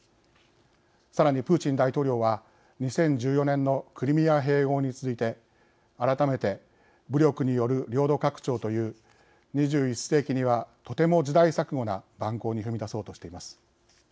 さらに、プーチン大統領は２０１４年のクリミア併合に続いて改めて武力による領土拡張という２１世紀にはとても時代錯誤な蛮行に踏み出そうとしています。